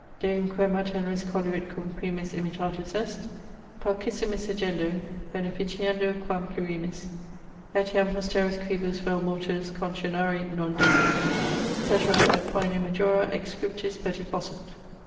Deum quem a teneris coluit cum primis imitatus est, Paucissimis egendo, beneficiendo quam plurimis, Etiam posteris quibus vel mortuus concionari non desinit. Caetera et poene majora ex scriptis peti possunt.